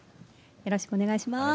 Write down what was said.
よろしくお願いします。